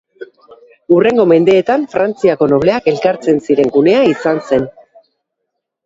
Hurrengo mendeetan Frantziako nobleak elkartzen ziren gunea izan zen.